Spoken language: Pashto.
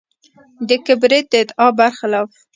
د کبریت د ادعا برخلاف.